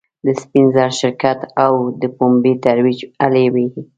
د سپین زر شرکت او د پومبې ترویج هلې وې.